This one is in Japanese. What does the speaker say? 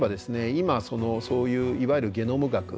今そのそういういわゆるゲノム学。